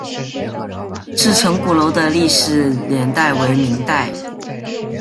赤城鼓楼的历史年代为明代。